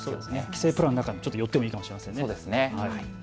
帰省プランの中で少し寄ってもいいかもしれませんね。